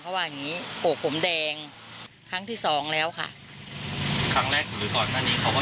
เขาว่าอย่างงี้โกะผมแดงครั้งที่สองแล้วค่ะครั้งแรกหรือก่อนหน้านี้เขาก็